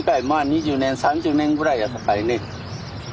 まあ２０年３０年ぐらいやさかいね。